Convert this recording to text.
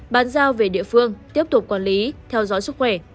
bán giao về địa phương tiếp tục quản lý theo dõi sức khỏe